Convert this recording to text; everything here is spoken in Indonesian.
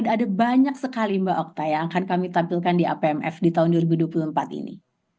ada banyak sekali mbak okta yang akan kami tampilkan di apmf di tahun dua ribu dua puluh empat ini